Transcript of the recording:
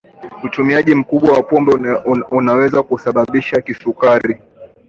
utumiaji mkubwa wa pombe unaweza kusababisha kisukari